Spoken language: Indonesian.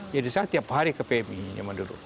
jadi saya tiap hari ke pmi yang menduduk